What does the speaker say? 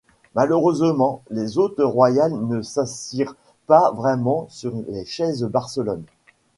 Malheureusement les hôtes royales ne s’assirent pas vraiment sur les chaises Barcelone.